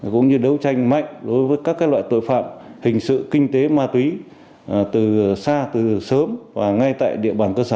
cũng như đấu tranh mạnh đối với các loại tội phạm hình sự kinh tế ma túy từ xa từ sớm và ngay tại địa bàn cơ sở